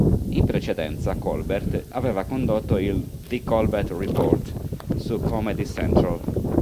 In precedenza Colbert aveva condotto il "The Colbert Report" su Comedy Central.